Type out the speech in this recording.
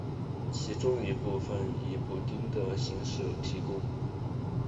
其中一些部分以补丁的形式提供。